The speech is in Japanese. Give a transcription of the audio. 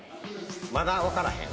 まだわからへん？